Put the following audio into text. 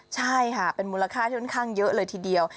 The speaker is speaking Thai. ใช่ค่ะเป็นมูลค่าที่ค่อนข้างเยอะเลยทีเดียว